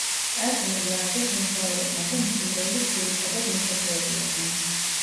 ტაძარი ააგეს მეზღვაურებმა და მისი მრევლიც ძირითადად მეთევზეები იყვნენ.